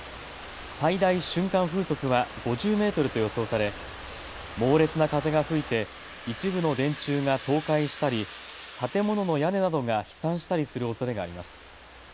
最大瞬間風速は５０メートルと予想され、猛烈な風が吹いて一部の電柱が倒壊したり建物の屋根などが飛散したりするおそれがあります。